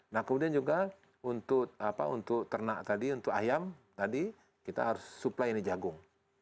nah kemudian juga untuk ternak tadi untuk ayam tadi kita harus supply ini jagung